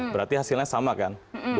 berarti hasilnya sama kan